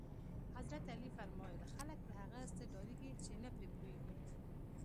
حضرت علی فرمایل: خلک له هغه څه ډارېږي چې نه پرې پوهېږي.